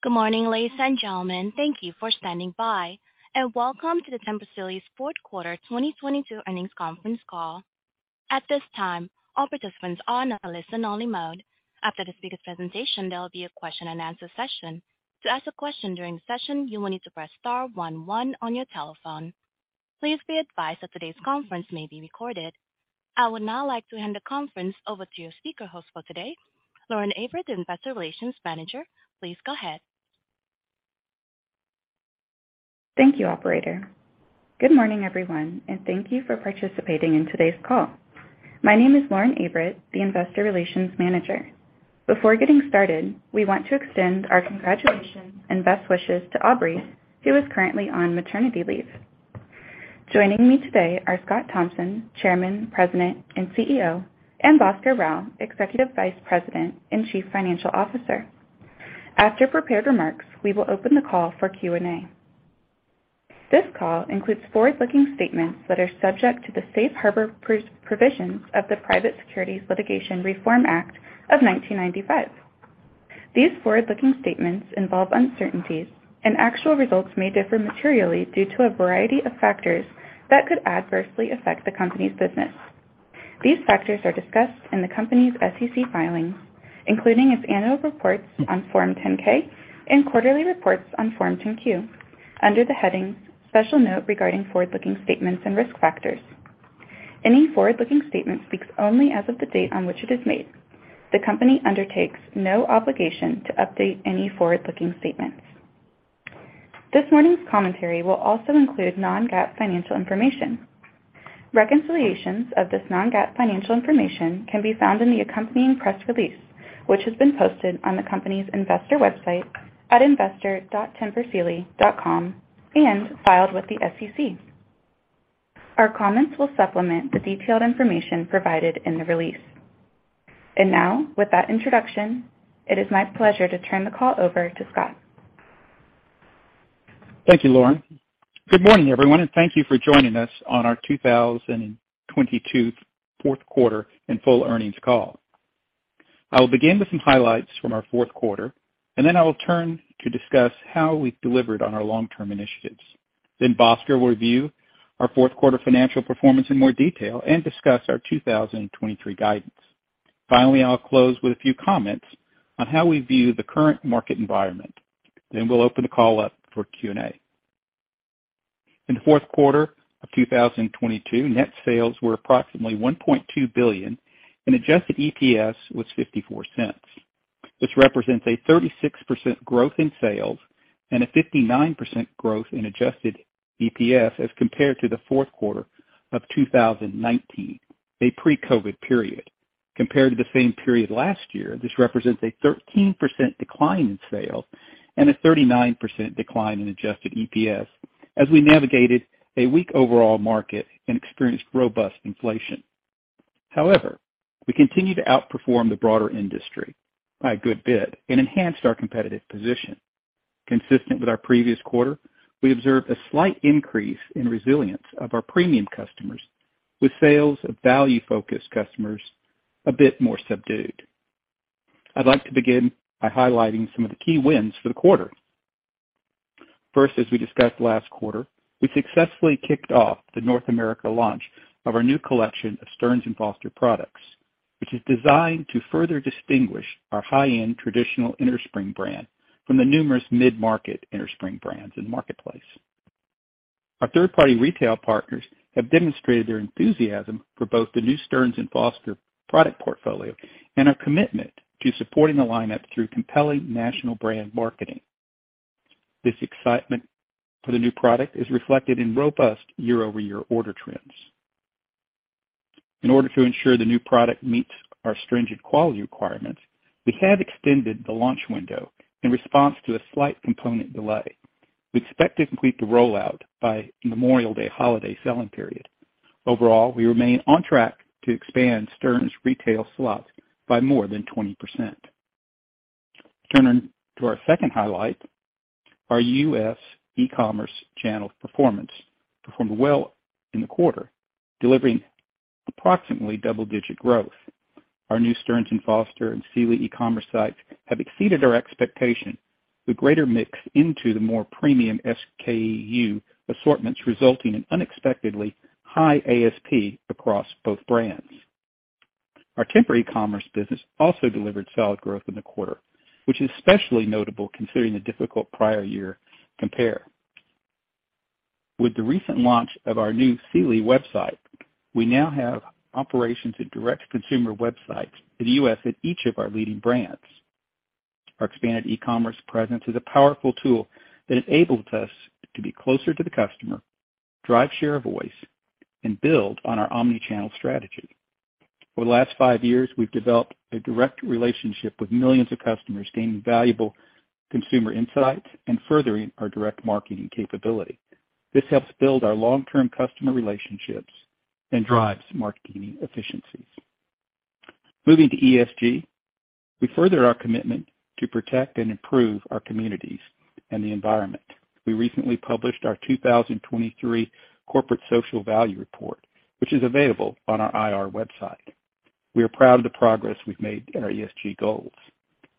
Good morning, ladies and gentlemen. Thank you for standing by, and welcome to the Tempur Sealy's fourth quarter 2022 earnings conference call. At this time, all participants are in a listen only mode. After the speaker presentation, there will be a question and answer session. To ask a question during the session, you will need to press star one one on your telephone. Please be advised that today's conference may be recorded. I would now like to hand the conference over to your speaker host for today, Lauren Avritt, Director, Investor Relations. Please go ahead. Thank you, operator. Good morning, everyone, and thank you for participating in today's call. My name is Lauren Avritt, the Investor Relations Manager. Before getting started, we want to extend our congratulations and best wishes to Aubrey, who is currently on maternity leave. Joining me today are Scott Thompson, Chairman, President, and CEO, and Bhaskar Rao, Executive Vice President and Chief Financial Officer. After prepared remarks, we will open the call for Q&A. This call includes forward-looking statements that are subject to the safe harbor provisions of the Private Securities Litigation Reform Act of 1995. These forward-looking statements involve uncertainties, and actual results may differ materially due to a variety of factors that could adversely affect the company's business. These factors are discussed in the company's SEC filings, including its annual reports on Form 10-K and quarterly reports on Form 10-Q, under the heading Special Note regarding forward-looking statements and risk factors. Any forward-looking statement speaks only as of the date on which it is made. The company undertakes no obligation to update any forward-looking statements. This morning's commentary will also include non-GAAP financial information. Reconciliations of this non-GAAP financial information can be found in the accompanying press release, which has been posted on the company's investor website at investor.tempursealy.com and filed with the SEC. Our comments will supplement the detailed information provided in the release. Now, with that introduction, it is my pleasure to turn the call over to Scott. Thank you, Lauren. Good morning, everyone, and thank you for joining us on our 2022 fourth quarter and full earnings call. I will begin with some highlights from our fourth quarter, and then I will turn to discuss how we've delivered on our long-term initiatives. Bhaskar will review our fourth quarter financial performance in more detail and discuss our 2023 guidance. Finally, I'll close with a few comments on how we view the current market environment. We'll open the call up for Q&A. In the fourth quarter of 2022, net sales were approximately $1.2 billion, and adjusted EPS was $0.54. This represents a 36% growth in sales and a 59% growth in adjusted EPS as compared to the fourth quarter of 2019, a pre-COVID period. Compared to the same period last year, this represents a 13% decline in sales and a 39% decline in adjusted EPS as we navigated a weak overall market and experienced robust inflation. We continue to outperform the broader industry by a good bit and enhanced our competitive position. Consistent with our previous quarter, we observed a slight increase in resilience of our premium customers, with sales of value-focused customers a bit more subdued. I'd like to begin by highlighting some of the key wins for the quarter. First, as we discussed last quarter, we successfully kicked off the North America launch of our new collection of Stearns & Foster products, which is designed to further distinguish our high-end traditional innerspring brand from the numerous mid-market innerspring brands in the marketplace. Our third-party retail partners have demonstrated their enthusiasm for both the new Stearns & Foster product portfolio and our commitment to supporting the lineup through compelling national brand marketing. This excitement for the new product is reflected in robust year-over-year order trends. In order to ensure the new product meets our stringent quality requirements, we have extended the launch window in response to a slight component delay. We expect to complete the rollout by Memorial Day holiday selling period. Overall, we remain on track to expand Stearns' retail slots by more than 20%. Turning to our second highlight, our U.S. e-commerce channel performance performed well in the quarter, delivering approximately double-digit growth. Our new Stearns & Foster and Sealy e-commerce sites have exceeded our expectation, with greater mix into the more premium SKU assortments resulting in unexpectedly high ASP across both brands. Our Tempur e-commerce business also delivered solid growth in the quarter, which is especially notable considering the difficult prior year compare. With the recent launch of our new Sealy website, we now have operations and direct-to-consumer websites in the U.S. at each of our leading brands. Our expanded e-commerce presence is a powerful tool that enables us to be closer to the customer, drive share voice, and build on our omni-channel strategy. Over the last five years, we've developed a direct relationship with millions of customers, gaining valuable consumer insights and furthering our direct marketing capability. This helps build our long-term customer relationships and drives marketing efficiencies. Moving to ESG, we further our commitment to protect and improve our communities and the environment. We recently published our 2023 corporate social value report, which is available on our IR website. We are proud of the progress we've made in our ESG goals.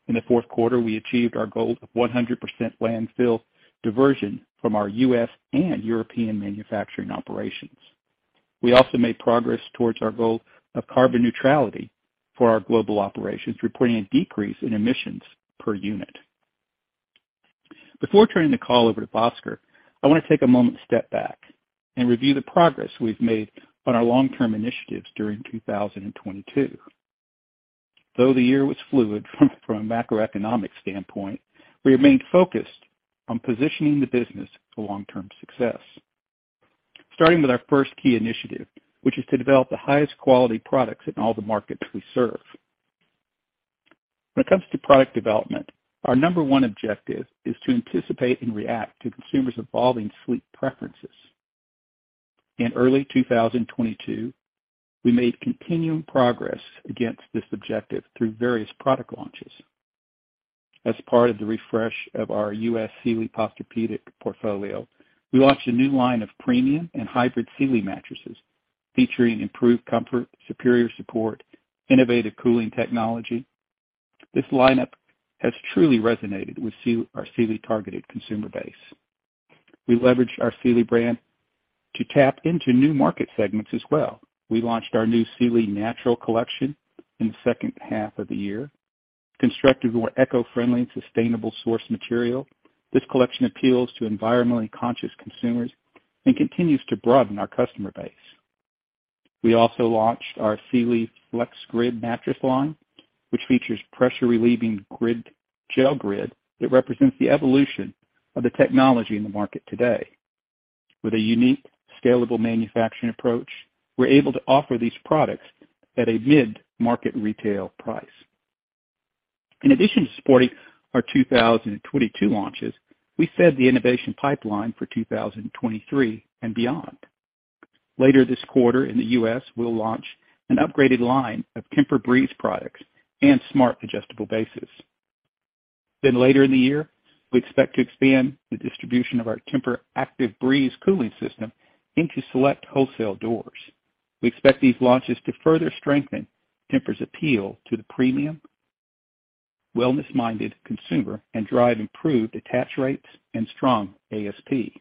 In the fourth quarter, we achieved our goal of 100% landfill diversion from our U.S. and European manufacturing operations. We also made progress towards our goal of carbon neutrality for our global operations, reporting a decrease in emissions per unit. Before turning the call over to Bhaskar, I wanna take a moment to step back and review the progress we've made on our long-term initiatives during 2022. Though the year was fluid from a macroeconomic standpoint, we remained focused on positioning the business for long-term success. Starting with our first key initiative, which is to develop the highest quality products in all the markets we serve. When it comes to product development, our number one objective is to anticipate and react to consumers' evolving sleep preferences. In early 2022, we made continuing progress against this objective through various product launches. As part of the refresh of our U.S. Sealy Posturepedic portfolio, we launched a new line of premium and hybrid Sealy mattresses featuring improved comfort, superior support, innovative cooling technology. This lineup has truly resonated with our Sealy-targeted consumer base. We leveraged our Sealy brand to tap into new market segments as well. We launched our new Sealy Naturals Collection in the second half of the year. Constructed with more eco-friendly and sustainable source material, this collection appeals to environmentally conscious consumers and continues to broaden our customer base. We also launched our Sealy FlexGrid mattress line, which features pressure-relieving grid, gel grid that represents the evolution of the technology in the market today. With a unique scalable manufacturing approach, we're able to offer these products at a mid-market retail price. In addition to supporting our 2022 launches, we fed the innovation pipeline for 2023 and beyond. Later this quarter, in the U.S., we'll launch an upgraded line of TEMPUR-Breeze products and smart adjustable bases. Later in the year, we expect to expand the distribution of our TEMPUR-ActiveBreeze cooling system into select wholesale doors. We expect these launches to further strengthen Tempur's appeal to the premium, wellness-minded consumer and drive improved attach rates and strong ASP.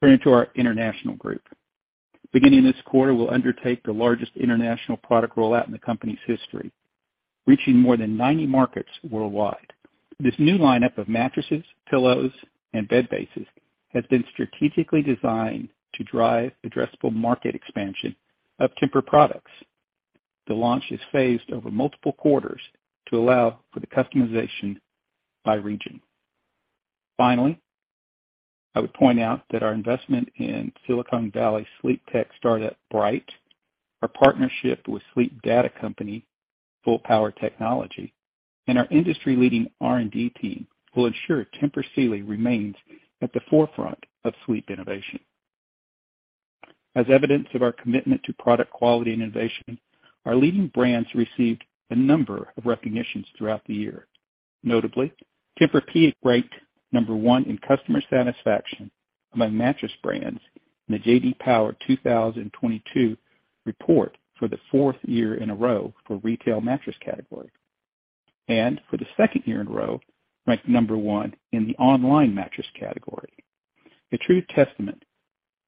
Turning to our international group. Beginning this quarter, we'll undertake the largest international product rollout in the company's history, reaching more than 90 markets worldwide. This new lineup of mattresses, pillows, and bed bases has been strategically designed to drive addressable market expansion of Tempur products. The launch is phased over multiple quarters to allow for the customization by region. I would point out that our investment in Silicon Valley sleep tech startup, Bryte, our partnership with sleep data company, Fullpower Technologies, and our industry-leading R&D team will ensure Tempur Sealy remains at the forefront of sleep innovation. As evidence of our commitment to product quality and innovation, our leading brands received a number of recognitions throughout the year. Notably, Tempur-Pedic ranked number one in customer satisfaction among mattress brands in the J.D. Power 2022 report for the fourth year in a row for retail mattress category. For the second year in row, ranked number one in the online mattress category, a true testament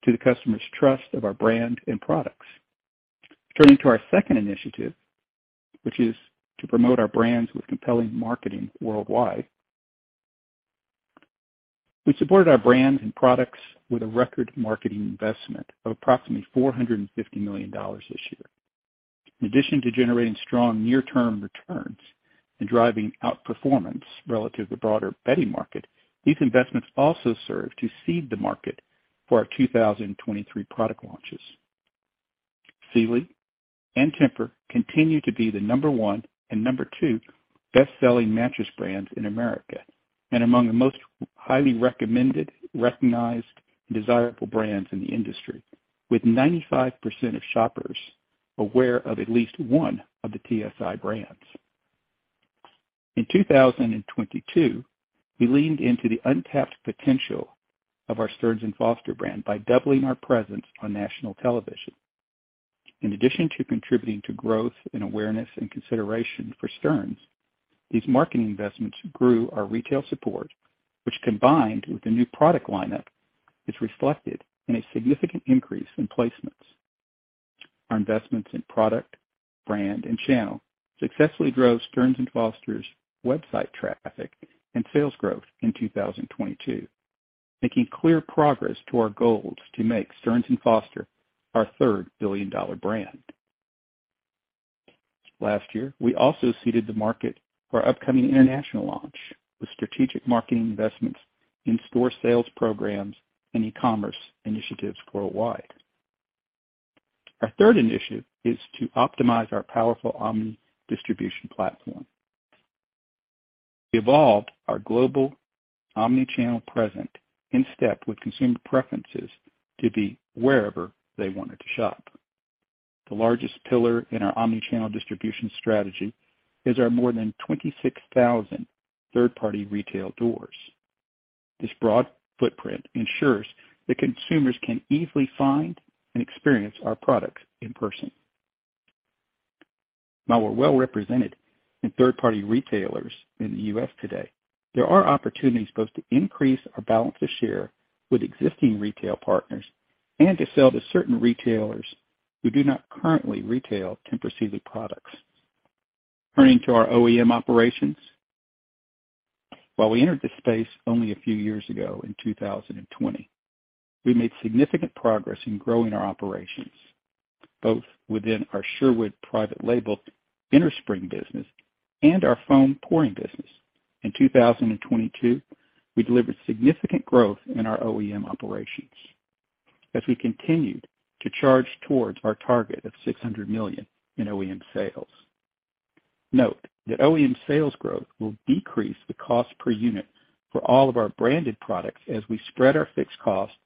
to the customers' trust of our brand and products. Turning to our second initiative, which is to promote our brands with compelling marketing worldwide. We supported our brands and products with a record marketing investment of approximately $450 million this year. In addition to generating strong near-term returns and driving outperformance relative to broader bedding market, these investments also serve to seed the market for our 2023 product launches. Sealy and Tempur-Pedic continue to be the number one and number two best-selling mattress brands in America, and among the most highly recommended, recognized, and desirable brands in the industry, with 95% of shoppers aware of at least one of the TSI brands. In 2022, we leaned into the untapped potential of our Stearns & Foster brand by doubling our presence on national television. In addition to contributing to growth and awareness and consideration for Stearns, these marketing investments grew our retail support, which combined with the new product lineup, is reflected in a significant increase in placements. Our investments in product, brand, and channel successfully drove Stearns & Foster's website traffic and sales growth in 2022, making clear progress to our goals to make Stearns & Foster our third billion-dollar brand. Last year, we also seeded the market for our upcoming international launch with strategic marketing investments in store sales programs and e-commerce initiatives worldwide. Our third initiative is to optimize our powerful omni-distribution platform. We evolved our global omni-channel present in step with consumer preferences to be wherever they wanted to shop. The largest pillar in our omni-channel distribution strategy is our more than 26,000 third-party retail doors. This broad footprint ensures that consumers can easily find and experience our products in person. While we're well represented in third-party retailers in the U.S. today, there are opportunities both to increase our balance of share with existing retail partners and to sell to certain retailers who do not currently retail Tempur-Pedic products. Turning to our OEM operations. While we entered this space only a few years ago in 2020, we made significant progress in growing our operations, both within our Sherwood private label innerspring business and our foam pouring business. In 2022, we delivered significant growth in our OEM operations as we continued to charge towards our target of $600 million in OEM sales. Note that OEM sales growth will decrease the cost per unit for all of our branded products as we spread our fixed costs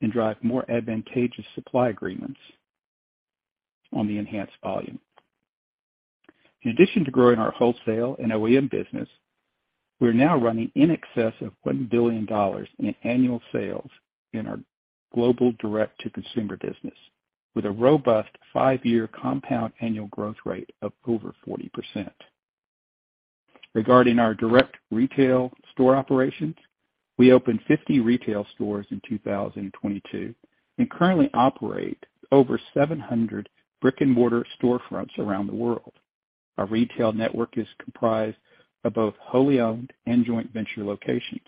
and drive more advantageous supply agreements on the enhanced volume. In addition to growing our wholesale and OEM business, we are now running in excess of $1 billion in annual sales in our global direct-to-consumer business with a robust five-year compound annual growth rate of over 40%. Regarding our direct retail store operations, we opened 50 retail stores in 2022 and currently operate over 700 brick-and-mortar storefronts around the world. Our retail network is comprised of both wholly owned and joint venture locations,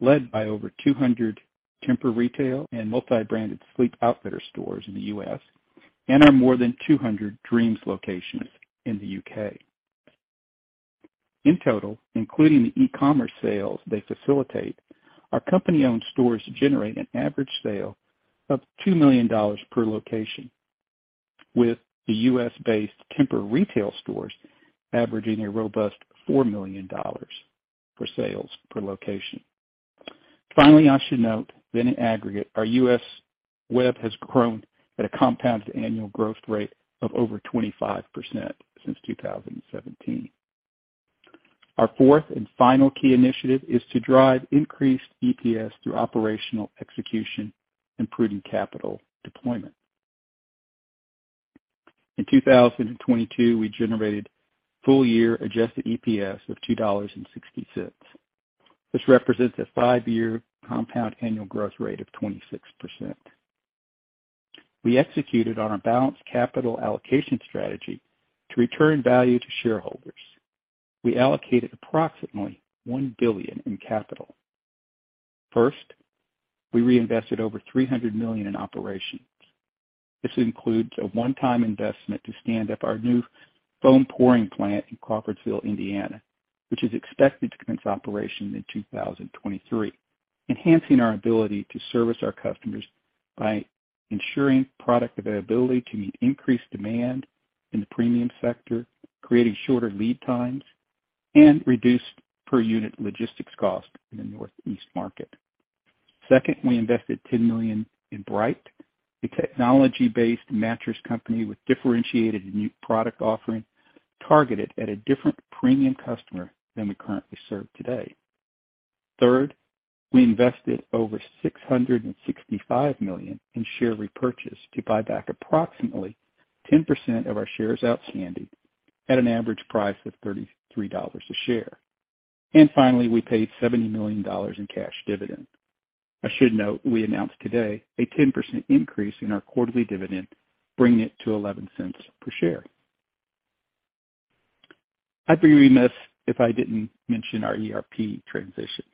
led by over 200 Tempur retail and multi-branded Sleep Outfitters stores in the U.S. and our more than 200 Dreams locations in the U.K. In total, including the e-commerce sales they facilitate, our company-owned stores generate an average sale of $2 million per location, with the U.S.-based Tempur retail stores averaging a robust $4 million for sales per location. Finally, I should note that in aggregate, our U.S. web has grown at a compound annual growth rate of over 25% since 2017. Our fourth and final key initiative is to drive increased EPS through operational execution and prudent capital deployment. In 2022, we generated full year adjusted EPS of $2.60, which represents a five-year compound annual growth rate of 26%. We executed on our balanced capital allocation strategy to return value to shareholders. We allocated approximately $1 billion in capital. First, we reinvested over $300 million in operations. This includes a one-time investment to stand up our new foam pouring plant in Crawfordsville, Indiana, which is expected to commence operations in 2023, enhancing our ability to service our customers by ensuring product availability to meet increased demand in the premium sector, creating shorter lead times, and reduced per unit logistics cost in the Northeast market. Second, we invested $10 million in Bright, a technology-based mattress company with differentiated new product offering targeted at a different premium customer than we currently serve today. Third, we invested over $665 million in share repurchase to buy back approximately 10% of our shares outstanding at an average price of $33 a share. Finally, we paid $70 million in cash dividend. I should note we announced today a 10% increase in our quarterly dividend, bringing it to $0.11 per share. I'd be remiss if I didn't mention our ERP transition,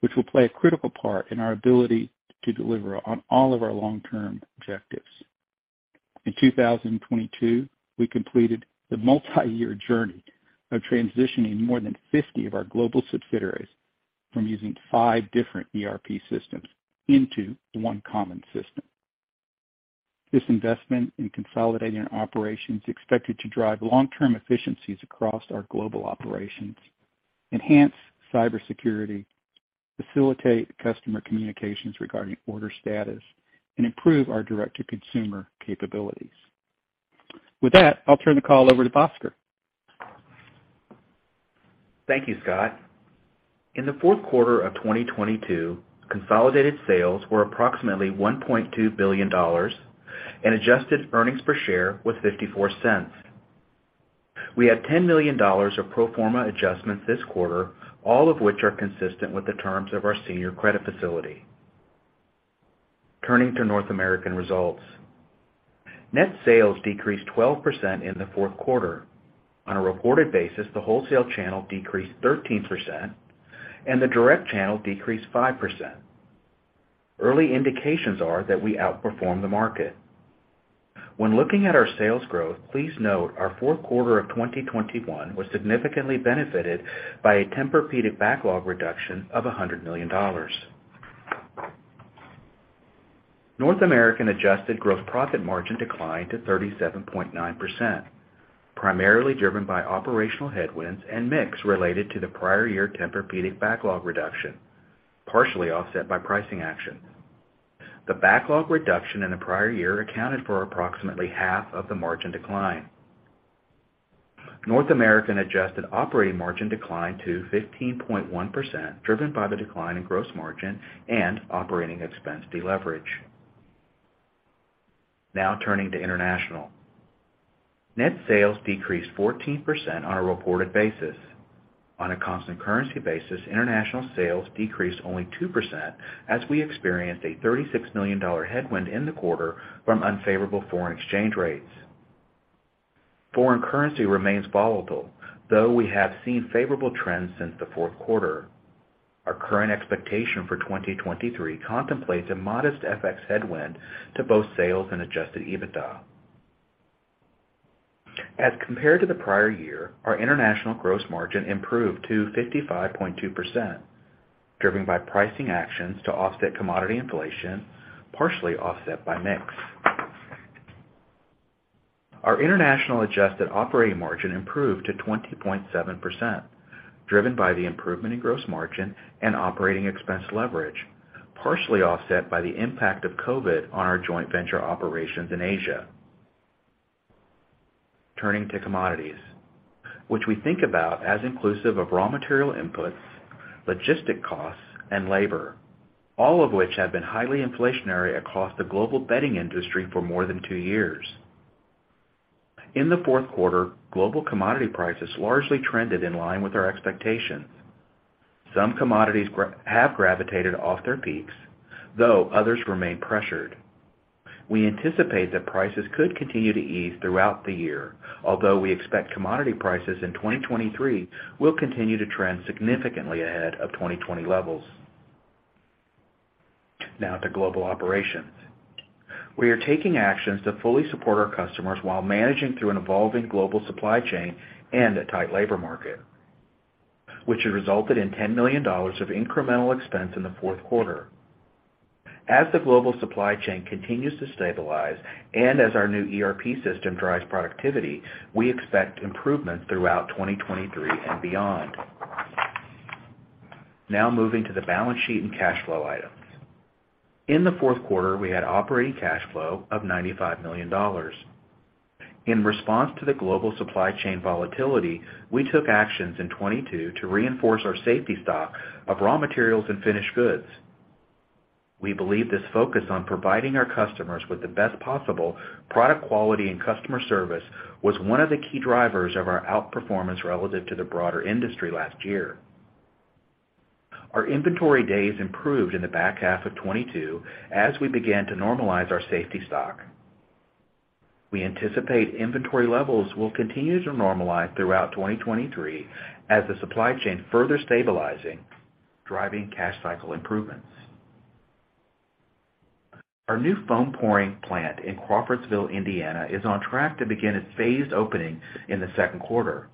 which will play a critical part in our ability to deliver on all of our long-term objectives. In 2022, we completed the multiyear journey of transitioning more than 50 of our global subsidiaries from using five different ERP systems into one common system. This investment in consolidating our operations is expected to drive long-term efficiencies across our global operations, enhance cybersecurity, facilitate customer communications regarding order status, and improve our direct-to-consumer capabilities. With that, I'll turn the call over to Bhaskar. Thank you, Scott. In the fourth quarter of 2022, consolidated sales were approximately $1.2 billion, and adjusted earnings per share was $0.54. We had $10 million of pro forma adjustments this quarter, all of which are consistent with the terms of our senior credit facility. Turning to North American results. Net sales decreased 12% in the fourth quarter. On a reported basis, the wholesale channel decreased 13% and the direct channel decreased 5%. Early indications are that we outperformed the market. When looking at our sales growth, please note our fourth quarter of 2021 was significantly benefited by a Tempur-Pedic backlog reduction of $100 million. North American adjusted gross profit margin declined to 37.9%, primarily driven by operational headwinds and mix related to the prior year Tempur-Pedic backlog reduction, partially offset by pricing actions. The backlog reduction in the prior year accounted for approximately half of the margin decline. North American adjusted operating margin declined to 15.1%, driven by the decline in gross margin and operating expense deleverage. Turning to international. Net sales decreased 14% on a reported basis. On a constant currency basis, international sales decreased only 2% as we experienced a $36 million headwind in the quarter from unfavorable foreign exchange rates. Foreign currency remains volatile, though we have seen favorable trends since the fourth quarter. Our current expectation for 2023 contemplates a modest FX headwind to both sales and adjusted EBITDA. As compared to the prior year, our international gross margin improved to 55.2%, driven by pricing actions to offset commodity inflation, partially offset by mix. Our international adjusted operating margin improved to 20.7%, driven by the improvement in gross margin and OpEx leverage, partially offset by the impact of COVID on our joint venture operations in Asia. Turning to commodities, which we think about as inclusive of raw material inputs, logistic costs, and labor, all of which have been highly inflationary across the global bedding industry for more than two years. In the fourth quarter, global commodity prices largely trended in line with our expectations. Some commodities have gravitated off their peaks, though others remain pressured. We anticipate that prices could continue to ease throughout the year, although we expect commodity prices in 2023 will continue to trend significantly ahead of 2020 levels. To global operations. We are taking actions to fully support our customers while managing through an evolving global supply chain and a tight labor market, which has resulted in $10 million of incremental expense in the fourth quarter. As the global supply chain continues to stabilize and as our new ERP system drives productivity, we expect improvement throughout 2023 and beyond. Moving to the balance sheet and cash flow items. In the fourth quarter, we had operating cash flow of $95 million. In response to the global supply chain volatility, we took actions in 2022 to reinforce our safety stock of raw materials and finished goods. We believe this focus on providing our customers with the best possible product quality and customer service was one of the key drivers of our outperformance relative to the broader industry last year. Our inventory days improved in the back half of 2022 as we began to normalize our safety stock. We anticipate inventory levels will continue to normalize throughout 2023 as the supply chain further stabilizing, driving cash cycle improvements. Our new foam pouring plant in Crawfordsville, Indiana, is on track to begin its phased opening in the second quarter.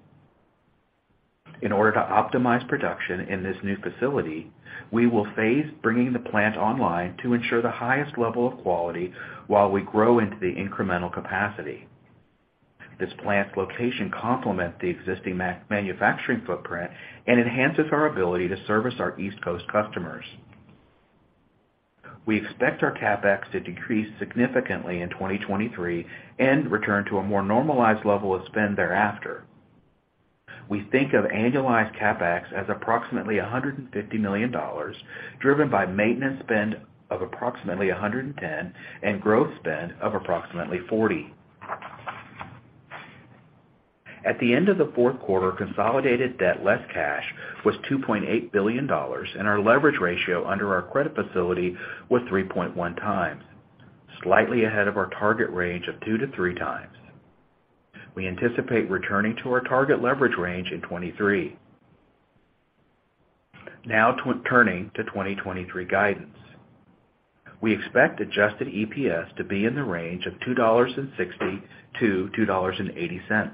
In order to optimize production in this new facility, we will phase bringing the plant online to ensure the highest level of quality while we grow into the incremental capacity. This plant's location complements the existing manufacturing footprint and enhances our ability to service our East Coast customers. We expect our CapEx to decrease significantly in 2023 and return to a more normalized level of spend thereafter. We think of annualized CapEx as approximately $150 million, driven by maintenance spend of approximately $110 million, and growth spend of approximately $40 million. At the end of the fourth quarter, consolidated debt, less cash was $2.8 billion, and our leverage ratio under our credit facility was 3.1x, slightly ahead of our target range of 2x-3x. We anticipate returning to our target leverage range in 2023. Now turning to 2023 guidance. We expect adjusted EPS to be in the range of $2.60-$2.80.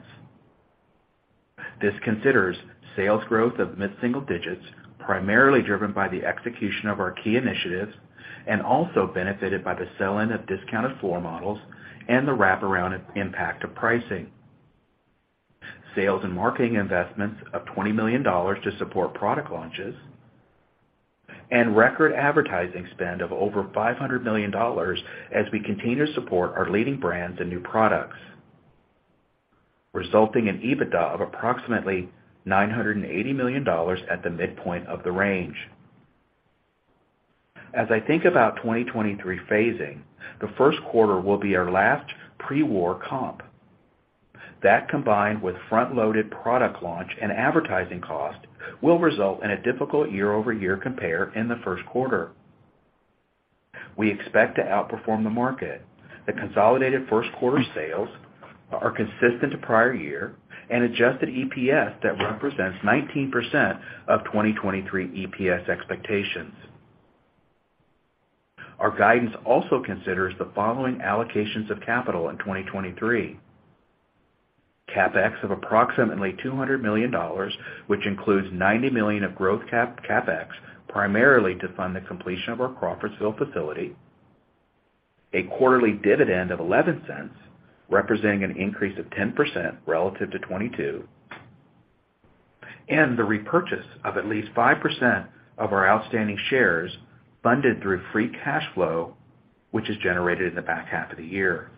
This considers sales growth of mid-single digits, primarily driven by the execution of our key initiatives and also benefited by the sell-in of discounted floor models and the wraparound impact of pricing. Sales and marketing investments of $20 million to support product launches and record advertising spend of over $500 million as we continue to support our leading brands and new products, resulting in EBITDA of approximately $980 million at the midpoint of the range. As I think about 2023 phasing, the first quarter will be our last pre-war comp. That combined with front-loaded product launch and advertising cost will result in a difficult year-over-year compare in the first quarter. We expect to outperform the market. The consolidated first quarter sales are consistent to prior year and adjusted EPS that represents 19% of 2023 EPS expectations. Our guidance also considers the following allocations of capital in 2023. CapEx of approximately $200 million, which includes $90 million of growth CapEx, primarily to fund the completion of our Crawfordsville facility. A quarterly dividend of $0.11, representing an increase of 10% relative to 2022. The repurchase of at least 5% of our outstanding shares funded through free cash flow, which is generated in the back half of the year.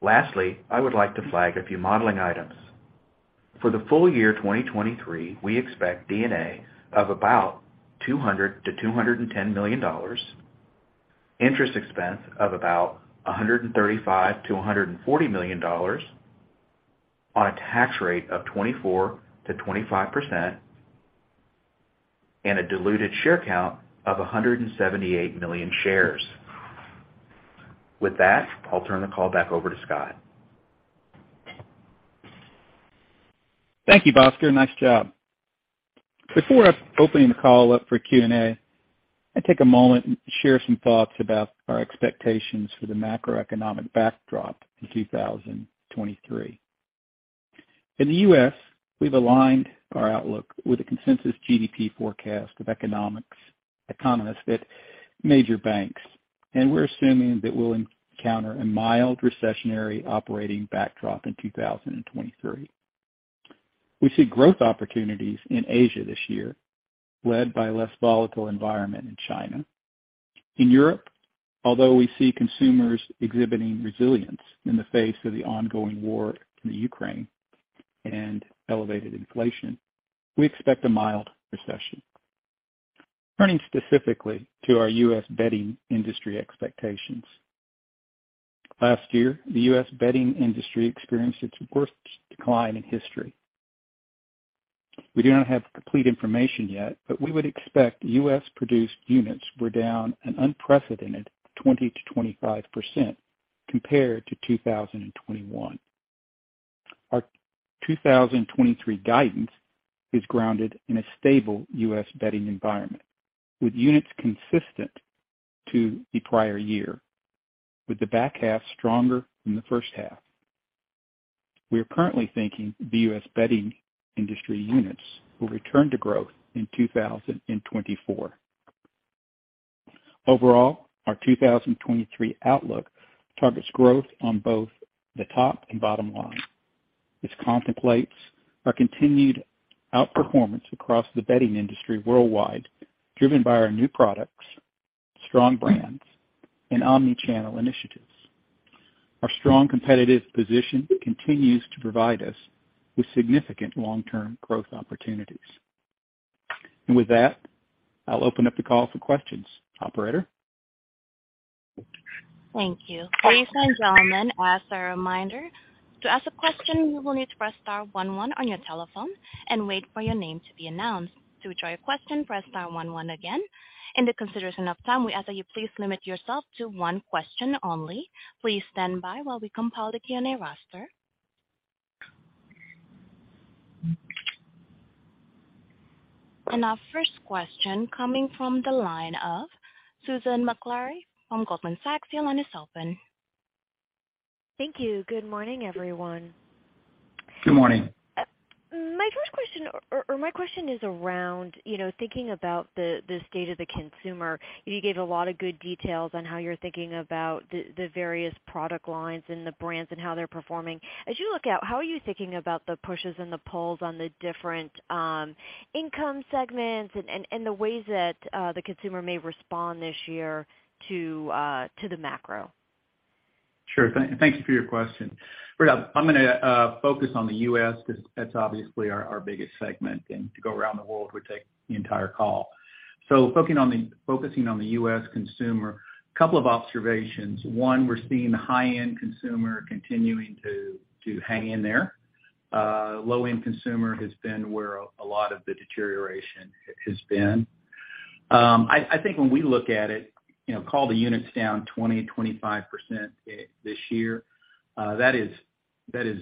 Lastly, I would like to flag a few modeling items. For the full year 2023, we expect D&A of about $200 million-$210 million, interest expense of about $135 million-$140 million on a tax rate of 24%-25% and a diluted share count of 178 million shares. With that, I'll turn the call back over to Scott. Thank you, Bhaskar. Nice job. Before opening the call up for Q&A, I'll take a moment and share some thoughts about our expectations for the macroeconomic backdrop in 2023. In the U.S., we've aligned our outlook with a consensus GDP forecast of economists at major banks, and we're assuming that we'll encounter a mild recessionary operating backdrop in 2023. We see growth opportunities in Asia this year, led by a less volatile environment in China. In Europe, although we see consumers exhibiting resilience in the face of the ongoing war in the Ukraine and elevated inflation, we expect a mild recession. Turning specifically to our U.S. bedding industry expectations. Last year, the U.S. bedding industry experienced its worst decline in history. We do not have complete information yet, we would expect U.S.-produced units were down an unprecedented 20%-25% compared to 2021. Our 2023 guidance is grounded in a stable U.S. bedding environment, with units consistent to the prior year, with the back half stronger than the first half. We are currently thinking the U.S. bedding industry units will return to growth in 2024. Overall, our 2023 outlook targets growth on both the top and bottom line, which contemplates our continued outperformance across the bedding industry worldwide, driven by our new products, strong brands, and omni-channel initiatives. Our strong competitive position continues to provide us with significant long-term growth opportunities. With that, I'll open up the call for questions. Operator? Thank you. Ladies and gentlemen, as a reminder, to ask a question, you will need to press star one one on your telephone and wait for your name to be announced. To withdraw your question, press star one one again. In the consideration of time, we ask that you please limit yourself to one question only. Please stand by while we compile the Q&A roster. Our first question coming from the line of Susan Maklari from Goldman Sachs. Your line is open. Thank you. Good morning, everyone. Good morning. My first question or my question is around, you know, thinking about the state of the consumer. You gave a lot of good details on how you're thinking about the various product lines and the brands and how they're performing. As you look out, how are you thinking about the pushes and the pulls on the different income segments and the ways that the consumer may respond this year to the macro? Sure. Thank you for your question. Right off, I'm gonna focus on the U.S. because that's obviously our biggest segment, and to go around the world would take the entire call. Focusing on the U.S. consumer, couple of observations. One, we're seeing the high-end consumer continuing to hang in there. Low-end consumer has been where a lot of the deterioration has been. I think when we look at it, you know, call the units down 20-25% this year, that is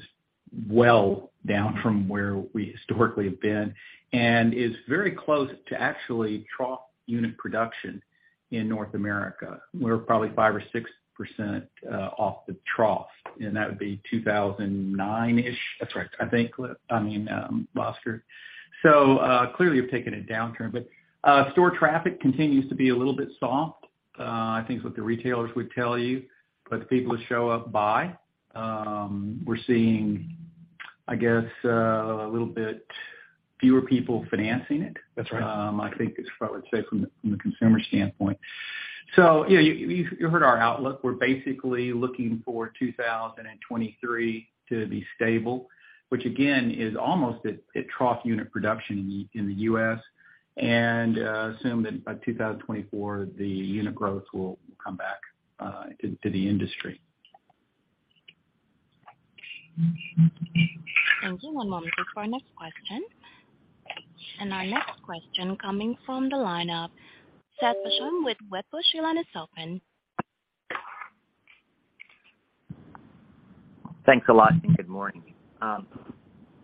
well down from where we historically have been and is very close to actually trough unit production in North America. We're probably 5% or 6% off the trough, and that would be 2009-ish. That's right. I think. I mean, Bhaskar. Clearly you've taken a downturn, but store traffic continues to be a little bit soft, I think is what the retailers would tell you. The people who show up buy. We're seeing, I guess, a little bit fewer people financing it. That's right. I think is what I would say from the consumer standpoint. You've heard our outlook. We're basically looking for 2023 to be stable, which again, is almost at trough unit production in the U.S., and assume that by 2024, the unit growth will come back, to the industry. Thank you. One moment for our next question. Our next question coming from the line of Seth Basham with Wedbush. Your line is open. Thanks a lot, and good morning.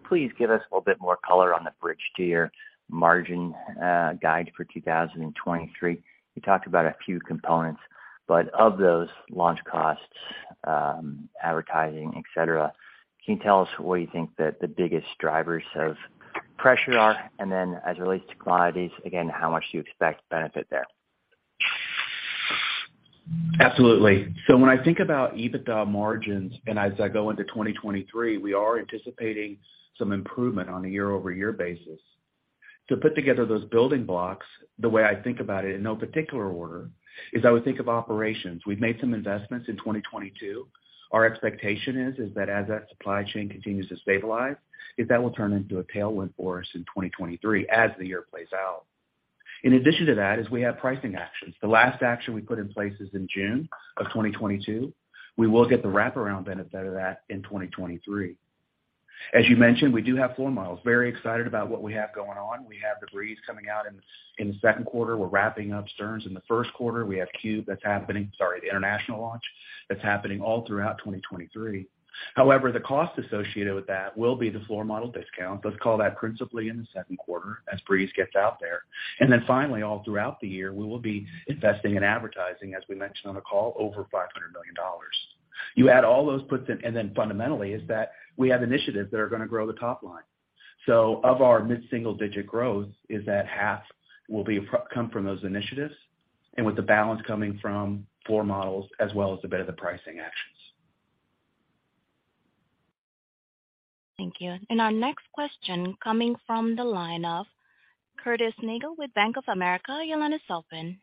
Please give us a little bit more color on the bridge to your margin guide for 2023. You talked about a few components. Of those launch costs, advertising, et cetera, can you tell us what you think that the biggest drivers of pressure are? Then as it relates to commodities, again, how much do you expect to benefit there? Absolutely. When I think about EBITDA margins, and as I go into 2023, we are anticipating some improvement on a year-over-year basis. To put together those building blocks, the way I think about it in no particular order, is I would think of operations. We've made some investments in 2022. Our expectation is that as that supply chain continues to stabilize, is that will turn into a tailwind for us in 2023 as the year plays out. In addition to that is we have pricing actions. The last action we put in place is in June 2022. We will get the wraparound benefit of that in 2023. As you mentioned, we do have floor models. Very excited about what we have going on. We have the Breeze coming out in the second quarter. We're wrapping up Stearns in the first quarter. We have Cube, the international launch that's happening all throughout 2023. The cost associated with that will be the floor model discount. Let's call that principally in the second quarter as Breeze gets out there. Finally, all throughout the year, we will be investing in advertising, as we mentioned on the call, over $500 million. You add all those, we have initiatives that are gonna grow the top line. Of our mid-single digit growth is that half will come from those initiatives and with the balance coming from floor models as well as a bit of the pricing actions. Thank you. Our next question coming from the line of Curtis Nagle with Bank of America. Your line is open.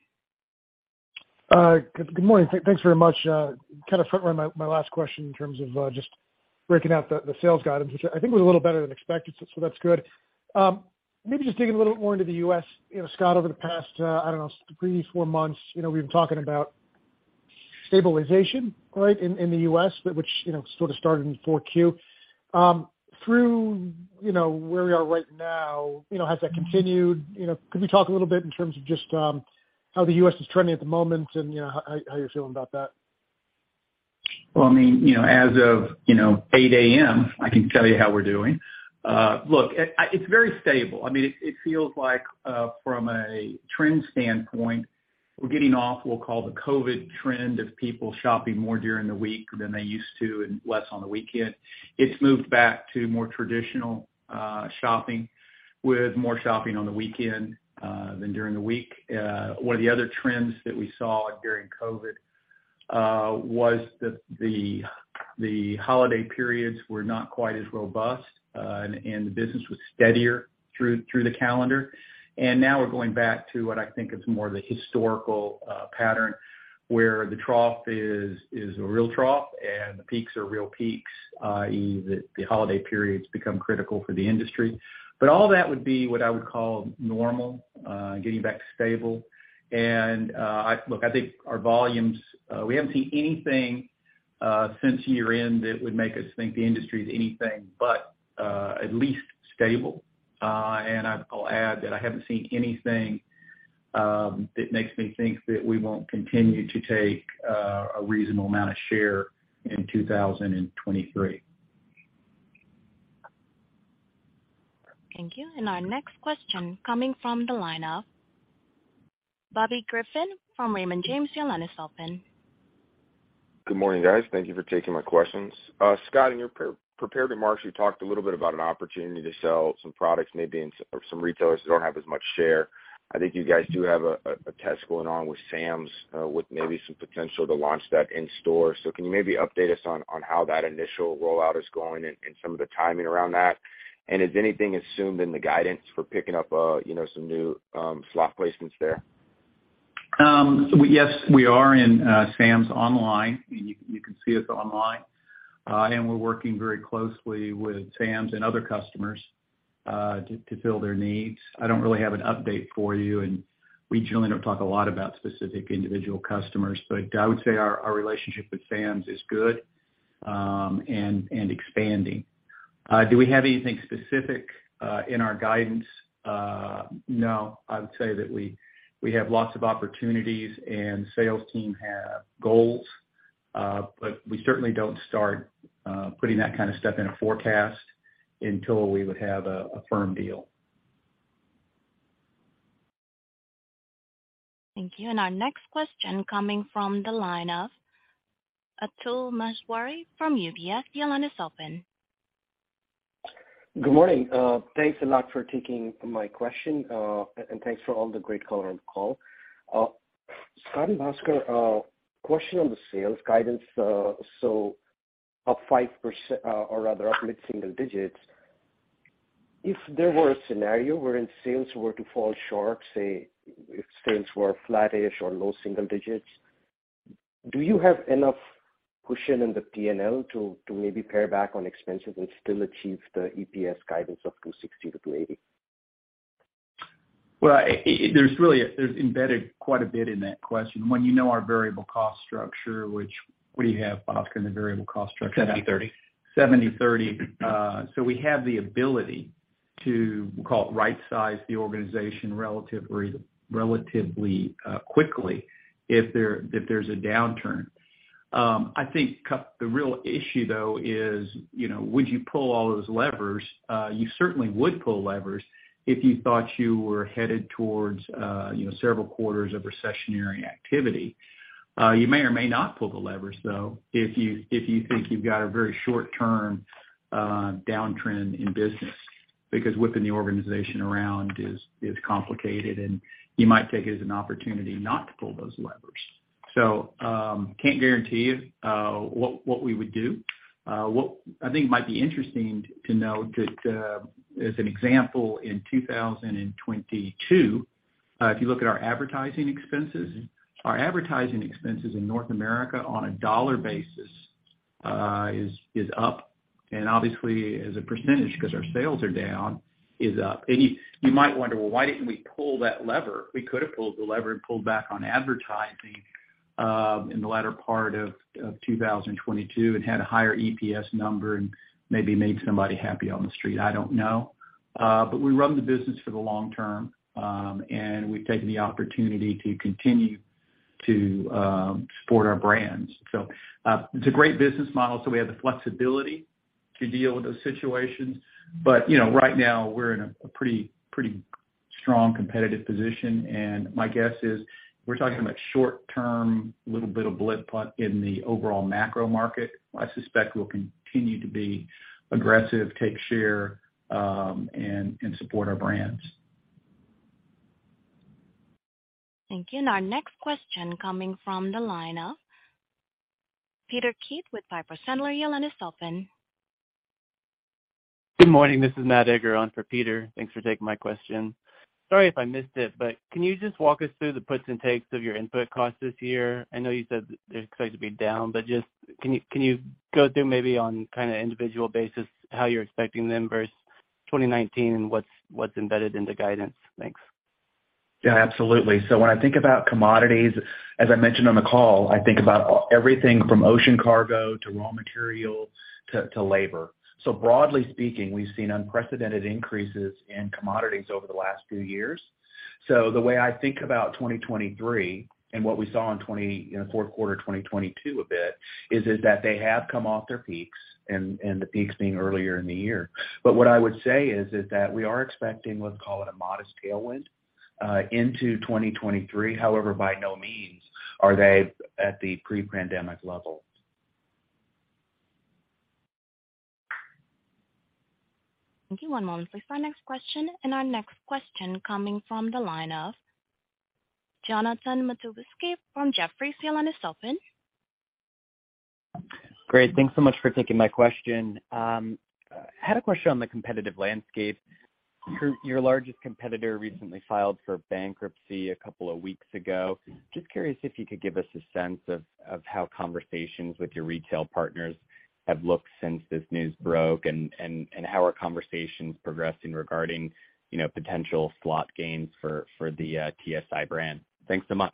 Good morning. Thanks very much. Kind of front run my last question in terms of just breaking out the sales guidance, which I think was a little better than expected, that's good. Maybe just digging a little more into the U.S. You know, Scott, over the past, I don't know, three, four months, you know, we've been talking about stabilization, right, in the U.S., which, you know, sort of started in 4Q. Through, you know, where we are right now, you know, has that continued? You know, could you talk a little bit in terms of just how the U.S. is trending at the moment and, you know, how you're feeling about that? Well, I mean, you know, as of, you know, 8:00 A.M., I can tell you how we're doing. Look, it's very stable. I mean, it feels like, from a trend standpoint, we're getting off what we'll call the COVID trend of people shopping more during the week than they used to and less on the weekend. It's moved back to more traditional, shopping with more shopping on the weekend, than during the week. One of the other trends that we saw during COVID, was that the holiday periods were not quite as robust, and the business was steadier through the calendar. Now we're going back to what I think is more the historical pattern, where the trough is a real trough and the peaks are real peaks, i.e., the holiday periods become critical for the industry. All that would be what I would call normal, getting back to stable. I look, I think our volumes, we haven't seen anything, since year-end that would make us think the industry is anything but, at least stable. I'll add that I haven't seen anything, that makes me think that we won't continue to take, a reasonable amount of share in 2023. Thank you. Our next question coming from the line of Bobby Griffin from Raymond James. Your line is open. Good morning, guys. Thank you for taking my questions. Scott, in your prepared remarks, you talked a little bit about an opportunity to sell some products maybe in some retailers that don't have as much share. I think you guys do have a test going on with Sam's, with maybe some potential to launch that in store. Can you maybe update us on how that initial rollout is going and some of the timing around that? Is anything assumed in the guidance for picking up, you know, some new slot placements there? Yes, we are in Sam's online, and you can see us online. We're working very closely with Sam's and other customers to fill their needs. I don't really have an update for you, and we generally don't talk a lot about specific individual customers. I would say our relationship with Sam's is good, and expanding. Do we have anything specific in our guidance? No. I would say that we have lots of opportunities and sales team have goals, but we certainly don't start putting that kind of stuff in a forecast until we would have a firm deal. Thank you. Our next question coming from the line of Atul Maheswari from UBS. Your line is open. Good morning. Thanks a lot for taking my question, and thanks for all the great color on the call. Scott and Bhaskar, question on the sales guidance. Up 5%, or rather up mid-single digits. If there were a scenario wherein sales were to fall short, say if sales were flattish or low single digits, do you have enough cushion in the PNL to maybe pare back on expenses and still achieve the EPS guidance of $2.60-$2.80? Well, there's embedded quite a bit in that question. When you know our variable cost structure, which what do you have, Bhaskar, in the variable cost structure? We have the ability to, we'll call it right-size the organization relatively, quickly if there's a downturn. I think the real issue, though, is, you know, would you pull all those levers? You certainly would pull levers if you thought you were headed towards, you know, several quarters of recessionary activity. You may or may not pull the levers, though, if you think you've got a very short-term, downtrend in business. Because whipping the organization around is complicated, and you might take it as an opportunity not to pull those levers. Can't guarantee you, what we would do. What I think might be interesting to know that, as an example, in 2022, if you look at our advertising expenses, our advertising expenses in North America on a dollar basis, is up. Obviously as a percentage, 'cause our sales are down, is up. You might wonder, "Well, why didn't we pull that lever?" We could have pulled the lever and pulled back on advertising in the latter part of 2022 and had a higher EPS number and maybe made somebody happy on the street. I don't know. We run the business for the long term, and we've taken the opportunity to continue to support our brands. It's a great business model, so we have the flexibility to deal with those situations. You know, right now we're in a pretty strong competitive position. My guess is we're talking about short term, little bit of blip in the overall macro market. I suspect we'll continue to be aggressive, take share, and support our brands. Thank you. Our next question coming from the line of Peter Keith with Piper Sandler. Your line is open. Good morning. This is Matt Egger on for Peter. Thanks for taking my question. Sorry if I missed it, can you just walk us through the puts and takes of your input costs this year? I know you said they're expected to be down, just can you go through maybe on kind of individual basis how you're expecting them versus 2019 and what's embedded in the guidance? Thanks. Yeah, absolutely. When I think about commodities, as I mentioned on the call, I think about everything from ocean cargo to raw material to labor. Broadly speaking, we've seen unprecedented increases in commodities over the last few years. The way I think about 2023 and what we saw in the fourth quarter of 2022 a bit, is that they have come off their peaks and the peaks being earlier in the year. What I would say is that we are expecting, let's call it a modest tailwind, into 2023. However, by no means are they at the pre-pandemic level. Thank you. One moment please for our next question. Our next question coming from the line of Jonathan Matuszewski from Jefferies. Your line is open. Great. Thanks so much for taking my question. Had a question on the competitive landscape. Your largest competitor recently filed for bankruptcy a couple of weeks ago. Just curious if you could give us a sense of how conversations with your retail partners have looked since this news broke, and how are conversations progressing regarding, you know, potential slot gains for the TSI brand. Thanks so much.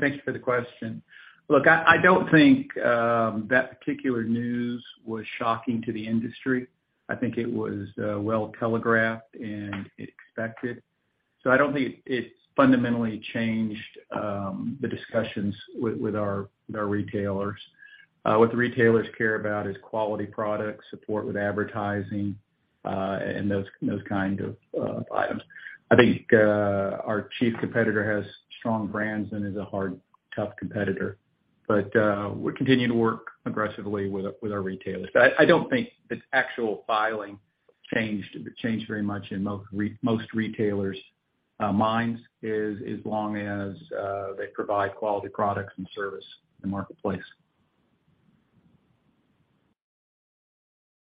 Thank you for the question. Look, I don't think that particular news was shocking to the industry. I think it was well telegraphed and expected. I don't think it's fundamentally changed the discussions with our retailers. What the retailers care about is quality products, support with advertising, and those kind of items. I think our chief competitor has strong brands and is a hard, tough competitor. We continue to work aggressively with our retailers. I don't think this actual filing changed very much in most retailers' minds, as long as they provide quality products and service in the marketplace.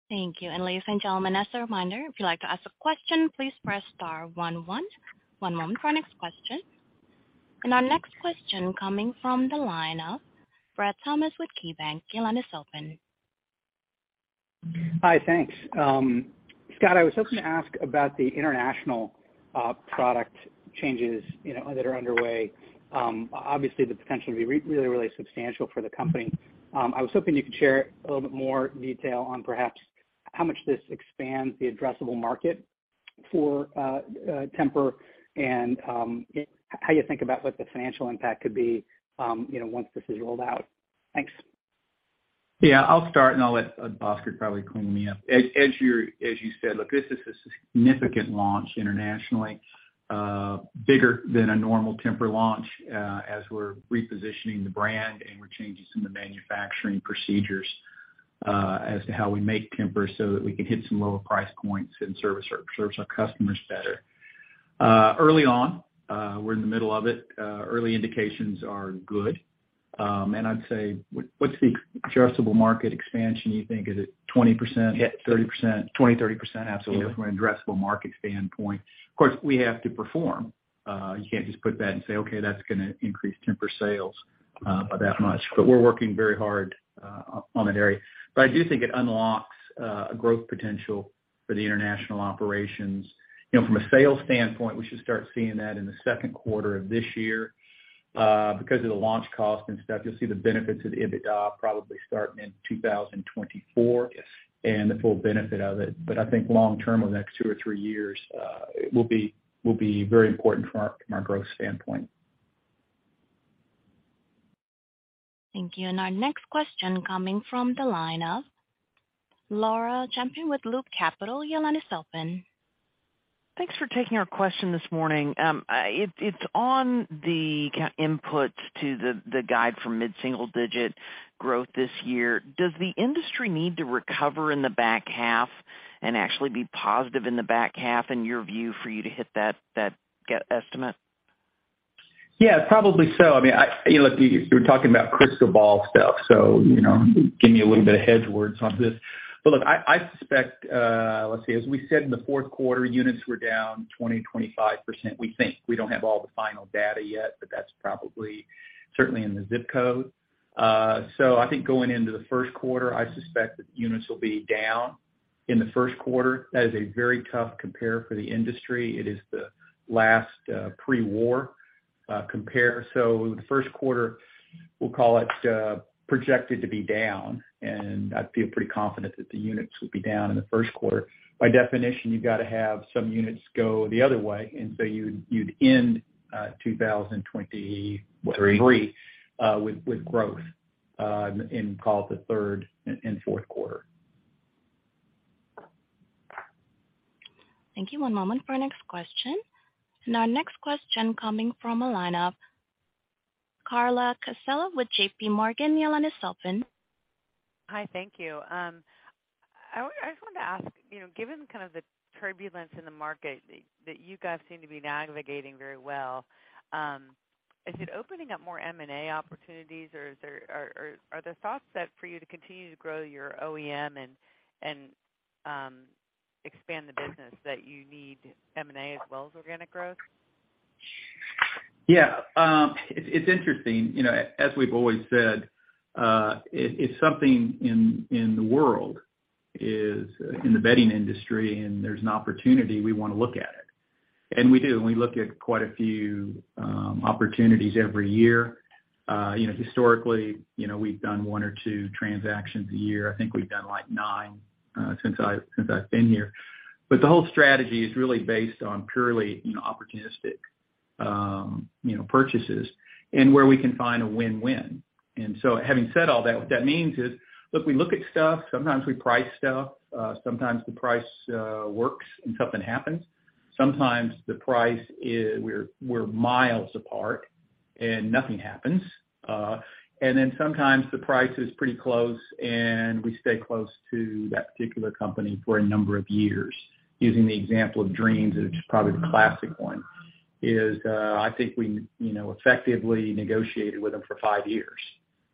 Thank you. Ladies and gentlemen, as a reminder, if you'd like to ask a question, please press star one one. One moment for our next question. Our next question coming from the line of Brad Thomas with KeyBanc. Your line is open. Hi. Thanks. Scott, I was hoping to ask about the international product changes, you know, that are underway. Obviously the potential will be really substantial for the company. I was hoping you could share a little bit more detail on perhaps how much this expands the addressable market for Tempur, and how you think about what the financial impact could be, you know, once this is rolled out. Thanks. Yeah, I'll start, and I'll let Bhaskar probably clean me up. As you said, look, this is a significant launch internationally, bigger than a normal Tempur launch, as we're repositioning the brand and we're changing some of the manufacturing procedures, as to how we make Tempur so that we can hit some lower price points and serve our customers better. Early on, we're in the middle of it, early indications are good. I'd say... What's the addressable market expansion you think? Is it 20%, 30%? 20, 30%, absolutely. You know, from an addressable market standpoint. Of course, we have to perform. You can't just put that and say, "Okay, that's gonna increase Tempur sales, by that much." We're working very hard on that area. I do think it unlocks a growth potential for the international operations. You know, from a sales standpoint, we should start seeing that in the second quarter of this year. Because of the launch cost and stuff, you'll see the benefits of EBITDA probably starting in 2024. Yes. The full benefit of it. I think long term, over the next two or three years, it will be very important from our growth standpoint. Thank you. Our next question coming from the line of Laura Champine with Loop Capital. Your line is open. Thanks for taking our question this morning. It's on the kind of input to the guide for mid-single digit growth this year. Does the industry need to recover in the back half and actually be positive in the back half, in your view, for you to hit that estimate? Yeah, probably so. I mean, you know, look, you're talking about crystal ball stuff, so, you know, give me a little bit of hedge words on this. Look, I suspect, let's see, as we said in the fourth quarter, units were down 20%-25%, we think. We don't have all the final data yet, but that's probably certainly in the zip code. I think going into the first quarter, I suspect that units will be down in the first quarter. That is a very tough compare for the industry. It is the last pre-war compare. The first quarter, we'll call it, projected to be down, and I feel pretty confident that the units will be down in the first quarter. By definition, you've gotta have some units go the other way, and so you'd end 2020-what? Three. Three, with growth, in call it the third and fourth quarter. Thank you. One moment for our next question. Our next question coming from a line of Carla Casella with JPMorgan. Your line is open. Hi, thank you. I just wanted to ask, you know, given kind of the turbulence in the market that you guys seem to be navigating very well, is it opening up more M&A opportunities, or are there thoughts that for you to continue to grow your OEM and expand the business that you need M&A as well as organic growth? Yeah. It's interesting. You know, as we've always said, if something in the world is in the bedding industry and there's an opportunity, we wanna look at it. We do, and we look at quite a few opportunities every year. You know, historically, you know, we've done one or two transactions a year. I think we've done, like, nine since I've been here. The whole strategy is really based on purely, you know, opportunistic, you know, purchases and where we can find a win-win. Having said all that, what that means is, look, we look at stuff. Sometimes we price stuff. Sometimes the price works and something happens. Sometimes the price is we're miles apart, and nothing happens. Sometimes the price is pretty close, and we stay close to that particular company for a number of years. Using the example of Dreams, which is probably the classic one, is, I think we, you know, effectively negotiated with them for five years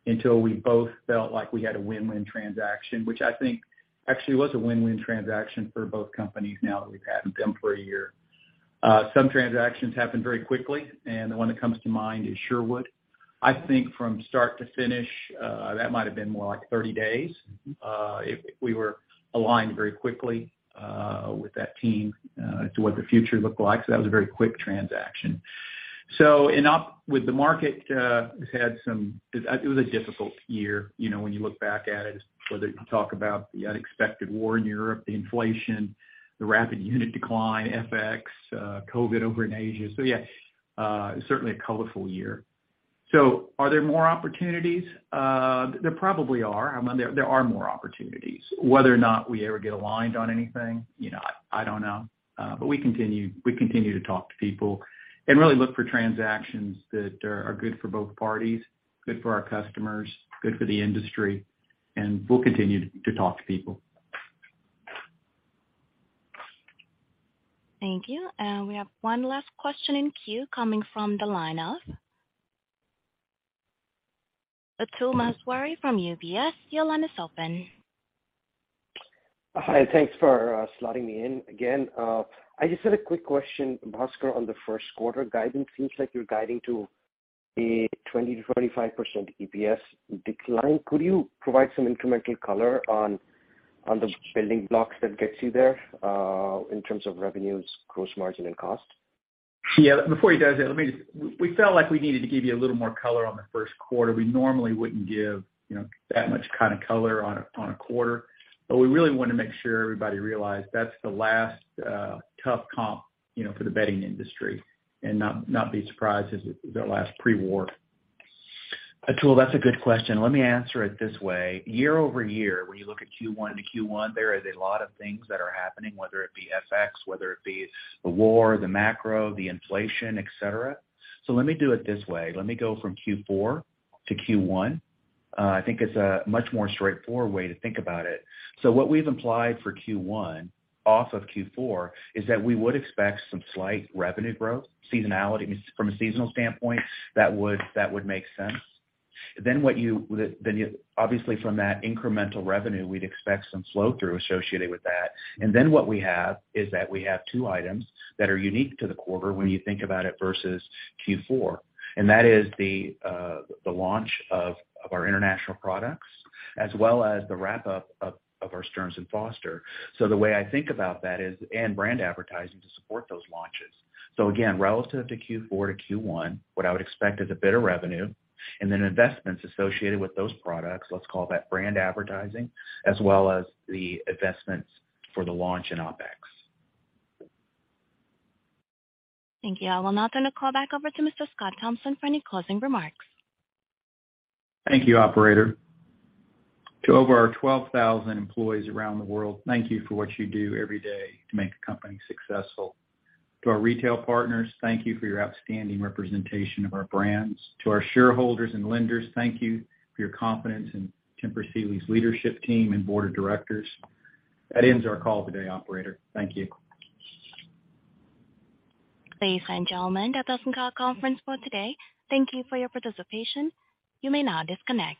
until we both felt like we had a win-win transaction, which I think actually was a win-win transaction for both companies now that we've had them for one year. Some transactions happen very quickly, and the one that comes to mind is Sherwood. I think from start to finish, that might have been more like 30 days. We were aligned very quickly with that team to what the future looked like, so that was a very quick transaction. With the market has had some... It was a difficult year, you know, when you look back at it, whether you talk about the unexpected war in Europe, the inflation, the rapid unit decline, FX, COVID over in Asia. Yeah, certainly a colorful year. Are there more opportunities? There probably are. I mean, there are more opportunities. Whether or not we ever get aligned on anything, you know, I don't know. We continue to talk to people and really look for transactions that are good for both parties, good for our customers, good for the industry, and we'll continue to talk to people. Thank you. We have one last question in queue coming from the line of Atul Maheswari from UBS. Your line is open. Hi. Thanks for slotting me in again. I just had a quick question, Bhaskar, on the first quarter guidance. Seems like you're guiding to a 20%-25% EPS decline. Could you provide some incremental color on the building blocks that gets you there in terms of revenues, gross margin, and cost? Yeah. Before he does that, let me just. We felt like we needed to give you a little more color on the first quarter. We normally wouldn't give, you know, that much kind of color on a quarter, but we really wanna make sure everybody realized that's the last tough comp, you know, for the bedding industry and not be surprised as the last pre-war. Atul, that's a good question. Let me answer it this way. year-over-year, when you look at Q1 to Q1, there is a lot of things that are happening, whether it be FX, whether it be the war, the macro, the inflation, et cetera. Let me do it this way. Let me go from Q4 to Q1. I think it's a much more straightforward way to think about it. What we've implied for Q1 off of Q4 is that we would expect some slight revenue growth, seasonality. From a seasonal standpoint, that would make sense. Obviously, from that incremental revenue, we'd expect some flow through associated with that. What we have is that we have two items that are unique to the quarter when you think about it versus Q4, and that is the launch of our international products, as well as the wrap-up of our Stearns & Foster. The way I think about that is, and brand advertising to support those launches. Again, relative to Q4 to Q1, what I would expect is a bit of revenue and then investments associated with those products, let's call that brand advertising, as well as the investments for the launch in OpEx. Thank you. I will now turn the call back over to Mr. Scott Thompson for any closing remarks. Thank you, operator. To over our 12,000 employees around the world, thank you for what you do every day to make the company successful. To our retail partners, thank you for your outstanding representation of our brands. To our shareholders and lenders, thank you for your confidence in Tempur Sealy's leadership team and board of directors. That ends our call today, operator. Thank you. Ladies and gentlemen, that does end our conference call for today. Thank you for your participation. You may now disconnect.